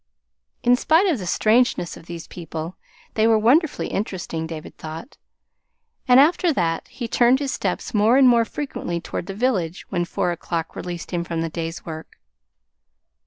In spite of the strangeness of these people, they were wonderfully interesting, David thought. And after that he turned his steps more and more frequently toward the village when four o'clock released him from the day's work.